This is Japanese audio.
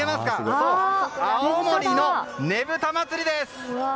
そう、青森のねぶた祭です！